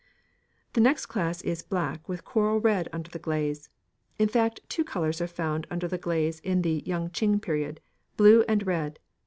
The next class is black with coral red under the glaze; in fact, two colours are found under the glaze in the Yung ching period, blue and red.